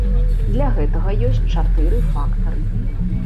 Для гэтага ёсць чатыры фактары.